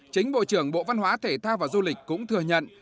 chính bộ trưởng bộ văn hóa thể thao và du lịch cũng thừa nhận